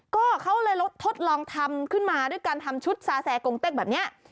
ก็เขาเลยทดลองทำขึ้นมาด้วยการทำชุดซาแซกงเต็กแบบนี้